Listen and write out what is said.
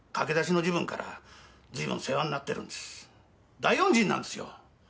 大恩人なんですよ。